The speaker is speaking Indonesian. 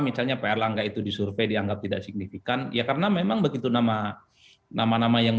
misalnya pr langga itu disurvey dianggap tidak signifikan ya karena memang begitu nama nama yang